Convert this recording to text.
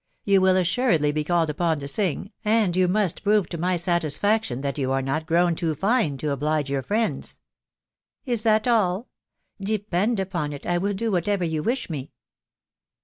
... You will assuredly be called upon to sing, and you must prove to my satisfaction that yon are not grown too fine to oblige your friends." cc Is that all ?.... Depend upon it I will do whatever you wish me."